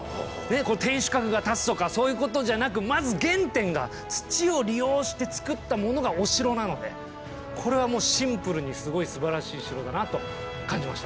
天守閣が建つとかそういうことじゃなくまず原点が土を利用して造ったものがお城なのでこれはもうシンプルにすごいすばらしい城だなと感じました。